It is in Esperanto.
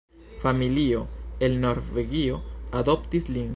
Familio el Norvegio adoptis lin.